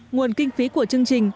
nguồn kinh phí của chương trình